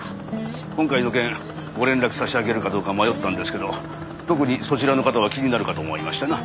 今回の件ご連絡差し上げるかどうか迷ったんですけど特にそちらの方は気になるかと思いましてな。